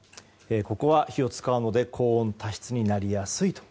ここは火を使うので高温多湿になりやすいと。